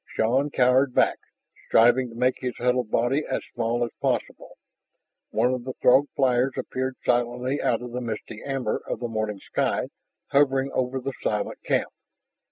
Shann cowered back, striving to make his huddled body as small as possible. One of the Throg flyers appeared silently out of the misty amber of the morning sky, hovering over the silent camp.